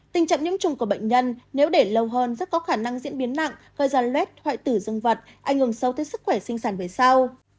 tình trạng nhiễm trùng của bệnh nhân nếu để lâu hơn rất có khả năng diễn biến nặng gây ra lét hoại tử rừng vật ảnh hưởng sâu tới sức khỏe sinh sản về sau